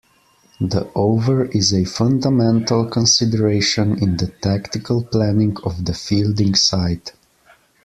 The over is a fundamental consideration in the tactical planning of the fielding side.